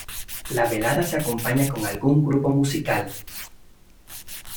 La velada se acompaña con algún grupo musical.